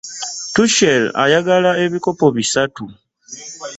Tucehl ayagal ebikopo bisatu .